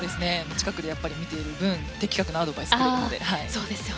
近くで見ている分的確なアドバイスをくれるので。